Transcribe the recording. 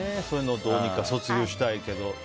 それをどうにか卒業したいけど。